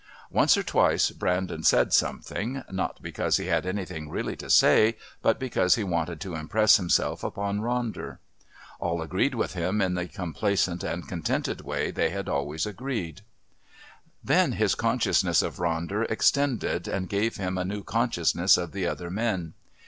Once or twice Brandon said something, not because he had anything really to say, but because he wanted to impress himself upon Ronder. All agreed with him in the complacent and contented way that they had always agreed.... Then his consciousness of Ronder extended and gave him a new consciousness of the other men.